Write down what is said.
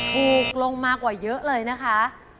ถูกลงมากว่าเยอะเลยนะคะ